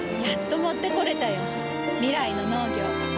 やっと持ってこれたよ。未来の農業。